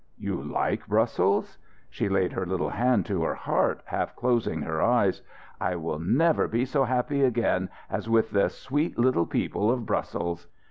"You like Brussels?" She laid her little hand to her heart, half closing her eyes. "I will never be so happy again as with the sweet little people of Brussels."